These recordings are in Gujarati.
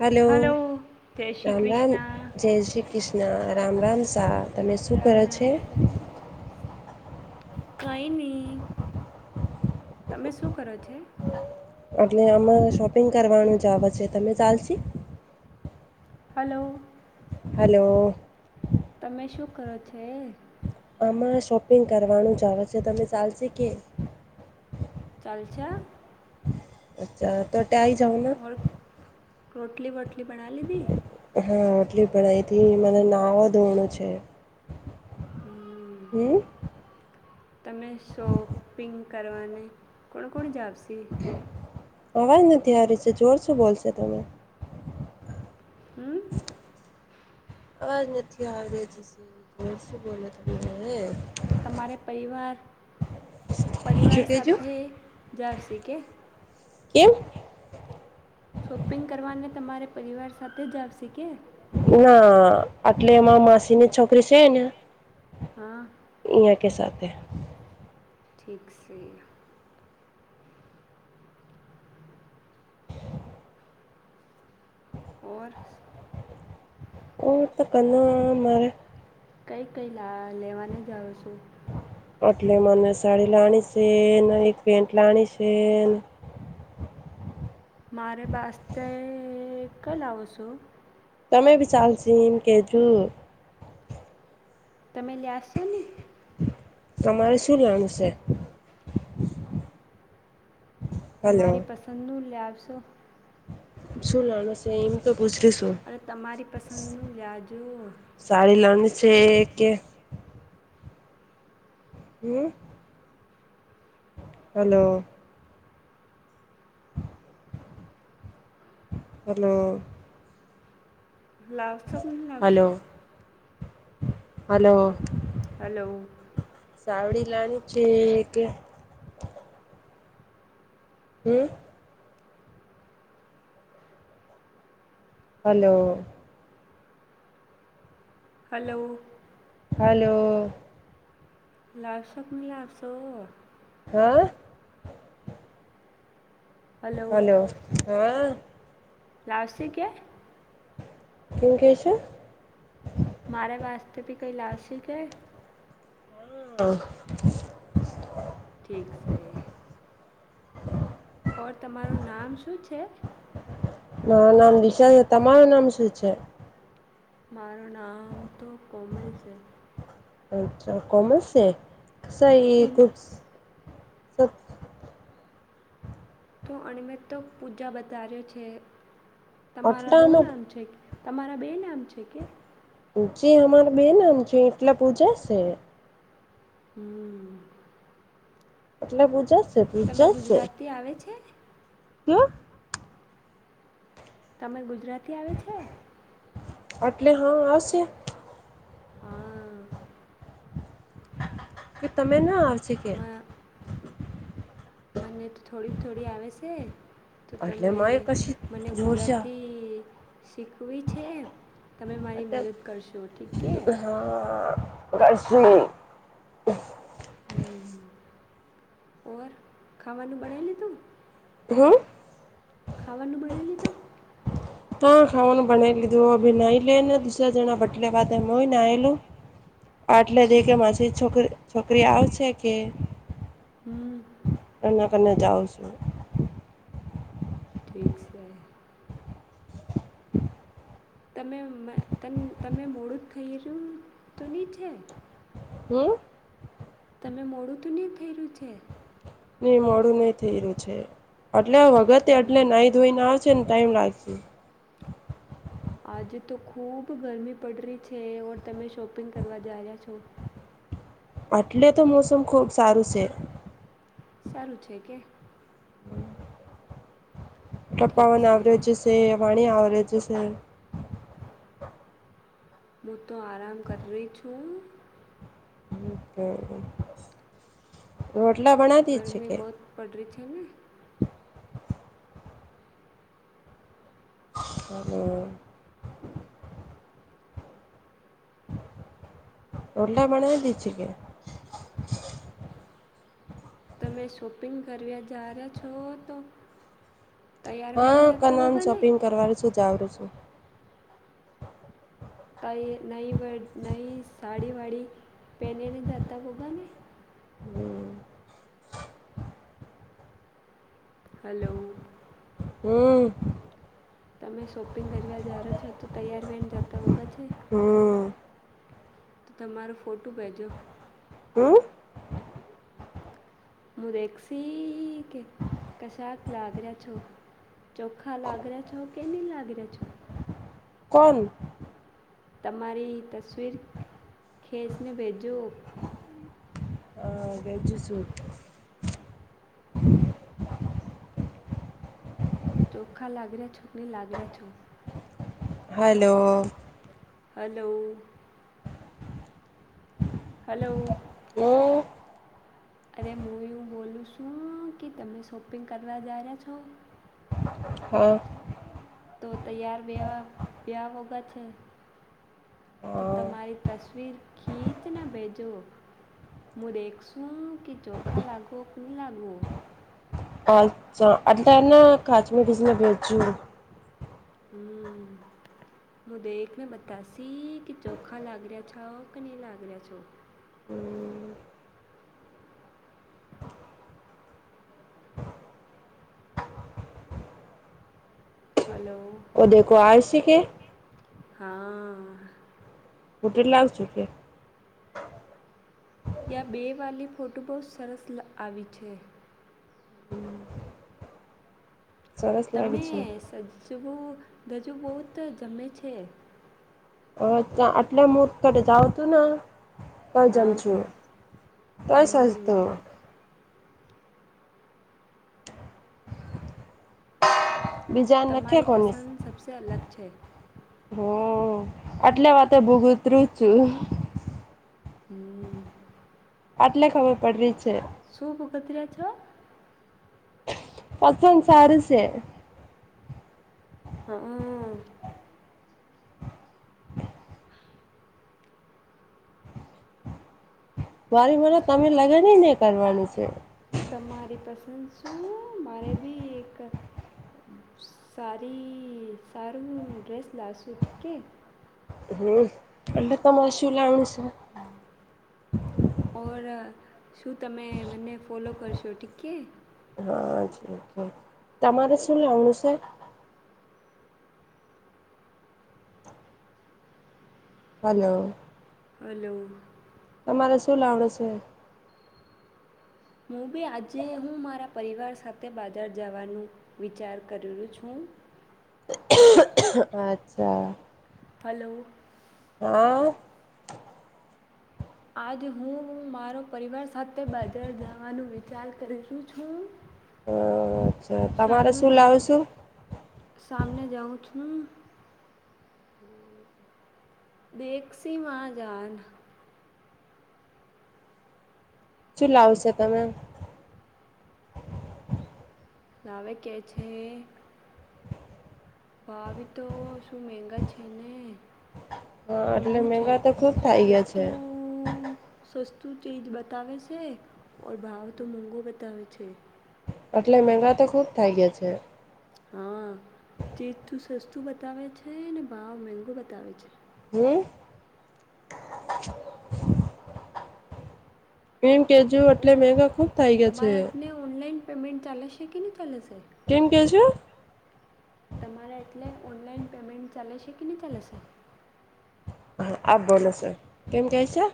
હલો, જય શ્રી રામ રામ, કૃષ્ણ જય શ્રી કૃષ્ણ રામ રામ શાહ, તમે શું કરે છે? કઈ નહી, તમે શું કરો છે? એટલે, આમાં શોપિંગ કરવાનું જ આવ છે, તમે ચાલશે? હલો. હલો. તમે શું કરો છો? આમાં શોપિંગ કરવાનું જાણો છે. તમે ચાલશે કે ચાલ છા અચ્છા, તો એટ્યા આ આવી જાઓના ઓર રોટલી, વોટલી બના લીધી કેટલી ભણઈથી, મને નાવ ધોરણું છે. હમ્મ હમ તમે શોપિંગ કરવાને કોણ, કોણ જાવશે અવાજ નથી, હારી છે. જોર શું બોલશેો તમે? હમ્મ. આજ નથી, આવી શું બોલો તમે તમારે, પરિવાર શું પરિવાર, કેજો સાથે જાવશે કે કેવમ શોપિંગ કરવાને, તમારે પરિવાર સાથે જ આવશે કે ના આટલે એમાં માસીની છોકરી, છેને. હા કે, સા ઠીક છે. ઓર ઓર, તો કના મારે કઈ, કઈ લ લેવાને જાવ છુ. એટલે મને સાડી લાણી છે એક પેન્ટ લાણી છે મારે બાસ ક લાવું છું તમે બ ચાલ છિમ કેજુ તમે લ્યાશો ને તમારે શું લણું છે હલો તમારી પસંદ ન લાવશો શુંલાણુનું છેમ અરે તમારી પસંદ નું લ્યાજો સાડી લાણી છે એક હમ હલો હેલો લાવશો હલો લાવશો હલો હલો ચાવડી લની છે કે હમ હલો હલો બર લાવશો કે નહિ લાવશો હા હલો હા લાવશે કે શું કહે છે મારે વાસ્તે ભી કઈ લાસસી કે હા પછી ઓર તમારું નામ શું છે માર નામ દિશા છે તમારું નામ શું છે મારું નામ તો કોમલ છે અચ્છા કોમર્સ છે સા તો એ એમ ખુબ સત તો અણિમેત તો પૂજા બતાાર્યો છે તમારા દો આટલામાં નામ છે તમારા બે નામ છે કે જે અમારા બેનમ છે એટલા પૂજા છે હમ એટલે બૂજસ તમે ગુજરાત થી આવે છે કે તમે ગુજરાતી આવે છે એટલે હા આવશે હા કે તમે ના આવશે કે મ- મને તો થોડી થોડી આવે સે તો એટલે તમે માય કશી મને જોરજા ગુજરાતી શીખવી છે તમે મારી મદદ એટલે કરશો ઠીક કે [unintelligible] હમ ઓર ખાવાનું બનાવી લીધું હમ ખાવાનું બણાંઈ લીધું? તો ખાવાનું બનાઈ લીધું અભી નહી લે ને દુસરા જણા બટલે ખાતા હોય મું એ નાય લઉ. આટલે દે કે માછી છોકરી છોકરી આવશે કે? હમ એના કને જાઉં છું. ઠીક સે. તમે મેં તમે તમે મોડું જ રયુ તો ની છે? હમ તમે મોડું તો ની થઈ રહ્યું છે? નહીં મોડું નઈ થઈ રહ્યું છે. એટલે વગતે એટલે નઈ ધોઈને આવ છ તન ટાઈમ લાગશે. આજે તો ખુબ ગરમી પડ રહી છે. ઓર તમે શોપિંગ કરવા જાયા છો. હ [inaudible] એટલે તો મોસમ ખૂબ સારું સે. સારું છે કે? ઠીક ટપ્પાવન છે આવરેજ સે, વાણી આવરેજ સે. મું તો આરામ કર રહી છું. ઓકે રોટલા બણાતી જ છે કે? હમ હઅ રોટલા બણાદી છે કે? તમે શોપિંગ કર્યા જા રહ્યા છો તો. તૈયાર વહીને હા જતા કનામ વગર ને શોપિંગ કરવા છું જાવરું સુ. તઇ નઈ વ નઈ સાડી વાડી પેનેને જતા હોગા ને? હલો હમ તમે શોપિંગ કરવા જારો છો તો તૈયાર વેન જાતા હોગા છ હમ તો તમારો ફોટું ભેજો. હમ મું દેક્સી કે કશાક લાગર્યા છો. ચોખા લાગ રહ્યા છો કે ની લાગ રહ્યા છો? કોન? તમારી તસવીર ખેંસને ભેજો. વેજુ સૂટ. ચોખ્ખા લાગરા છો કે ની લાગર્યા છો? Hello hello. હલો. હમ. અરે હું એવું બોલું છું કે તમે શોપિંગ કરવા જઈ રહ્યા છો. હા. તો તૈયાર બેવા [unintelligible] છે તો હા તમારી તસવીર ખીચને ભેજો. મું દેખસું કે ચોખા લાગો ક લાગો. અચ્છા અટલા એના [unintelligible] કીચીને બેજું હમ. મુું દેખને બતાશી કે ચોખા લાગી રહ્યા છો કે નહી લાગી રહ્યા છો. [inaudible] હલો ઓ દેખો આઈ સી કે હા હું [unintelligible] આવ છું કે યા બે વાલી ફોટો બહુ સરસ આવી છે સરસ તમે લાગે છે સજવુ ગજુ બહુત જમે છે અ આટલે મર્ત જાવ તુ ના હા [unintelligible] તજ હમ સસ્તો બીજા નખે તમારી કોની પસંદ સબસે અલગ છે હમ, આટલે વાતે ભૂગુંતરું [unintelligible] છું હમ આટલે ખબર પડ રહી છે શું ભકતિરેયા છો પચનસારશેે હ અ વારી મને તમે લગન ની કરવાનું સે તમારી પસંદ શું, મારે બી એક સારી સારું ડ્રેસ લાવશું ઠીક હે હમ, એટલે તો [unintelligible] મોશું લનું ઓ શું તમે મને ફોલો કરશો ઠીક હે હા, જી તમા તમારે શ અનુસાર હલો હલો તમારે શું લાવડે છે હુંબી આજે હું મારા પરિવાર સાથે બાજાર જવાનું વિચાર કરલું છું અચ્છા હલો હા આજ હું મારો પરિવાર સાથે બાજાર જવાનો વિચાર કરીશું છું હ, અચ્છા તમારે સામનો શું લાવું સે હમ દેખ સી મા જાન શું લાવશે તમે નાવે કે છે ભાવી તો શું મેગા છે ને હા એટલે ઊઘું છે મેંઘા તો ખુબ થઇ ગયા છે સસ્તું સતું તું ચીજ બતાવે છે, ઓર ભાવ તો મોંઘો બતાવે છે એટલે મંગા તો ખુબ થઈ ગયા છે હા, તેજ તું સસ્તું બતાવે છે ને ભાવ મેગો બતાવે છે હમ્મ એમ કેજું એટલે ઓર મેઘા ખુબ થઇ ગયા છે તમારા એટલે ઓનલાઈન પેમેન્ટ ચાલેશે કે નહી ચાલે સે કેમ કે જો તમારે એટલે ઓનલાઈન પેમેન્ટ ચાલેશે કે નહી ચાલેશે હ, આપ બોલો છો કેમ કે છે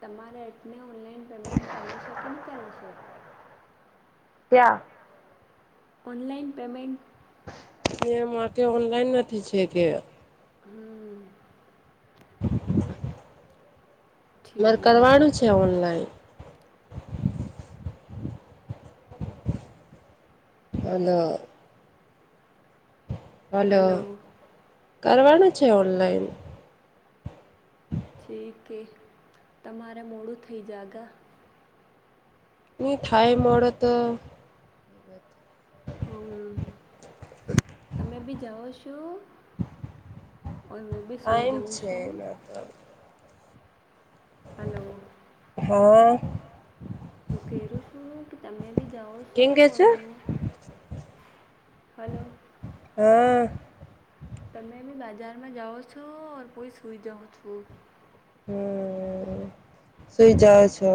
તમારા એટલે ઓનલાઈન પેમેન્ટ ચાલે છે કે નહી ચાલેશે ક્યાં ઓનલાઈન પેમેન્ટ એ મા કે ઓનલાઈન નથી છે કે હમ્મ. [inaudible] મારે ઠીક હે કરવાનું છે ઓનલાઈન [unintelligible] હલો. કરવાનું છે ઓનલાઈન છે કે તમારે મોડું થઇ જાગા ની થાાય મોડુ તો હમ્મ તમે બી જાઓ છો ઓ હું બી સૂઈ ટાઈમ જઉં છે છું. એના તો હલો. હા હું કહું છું કે તમે બી જાઓ છો કેમ કે છે અયાં હલો હા. તમે બી બાજારમાં જાઓ છો હું સુઈ જવ છું હ સુઈ જ છો